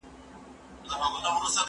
زه مخکي کتابتون ته راتلی و؟